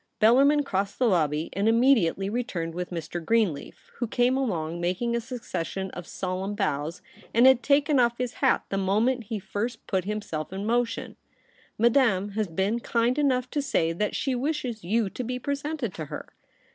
Bellarmin crossed the lobby, and imme diately returned with Mr. Greenleaf, who came alonsf makingf a succession of solemn bows, and had taken off his hat the moment he first put himself in motion. * Madame has been kind enough to say that she wishes you to be presented to her.'